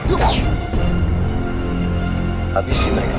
bukan itu apa